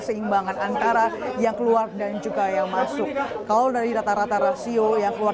seimbangan antara yang keluar dan juga yang masuk kalau dari rata rata rasio yang keluar